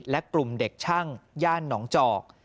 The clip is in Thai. และกลุ่มเด็กช่างย่านหนองจอก